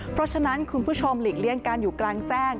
เพราะฉะนั้นคุณผู้ชมหลีกเลี่ยงการอยู่กลางแจ้ง